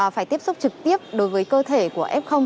phải tiếp xúc trực tiếp đối với cơ thể của f